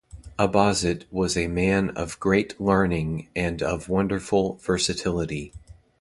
Abauzit was a man of great learning and of wonderful versatility.